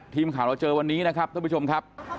ทีมข่าวเราเจอวันนี้นะครับท่านผู้ชมครับ